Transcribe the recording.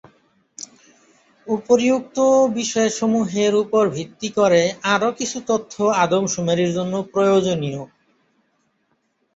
উপরিউক্ত বিষয়সমূহের উপর ভিত্তি করে আরো কিছু তথ্য আদমশুমারির জন্য প্রয়োজনীয়।